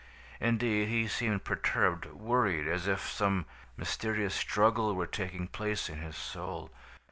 Indeed, he seemed perturbed, worried, as if some mysterious struggle were taking place in his soul.